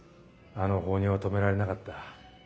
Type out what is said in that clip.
あの放尿は止められなかった。